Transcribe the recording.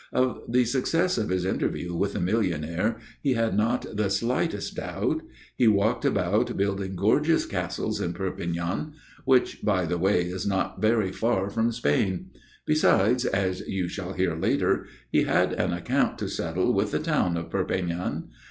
Of the success of his interview with the millionaire he had not the slightest doubt. He walked about building gorgeous castles in Perpignan which, by the way, is not very far from Spain. Besides, as you shall hear later, he had an account to settle with the town of Perpignan.